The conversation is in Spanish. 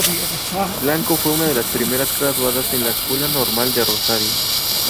Blanco fue una de las primeras graduadas en la Escuela Normal de Rosario.